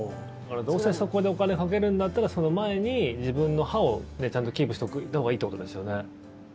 どうせそこでお金かけるんだったらその前に自分の歯をちゃんとキープしておいたほうがいいということですよね。